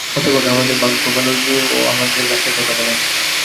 হতভাগা, আমাদের ভাগ্যভালো যে ও আমাদের ভাষায় কথা বলে না।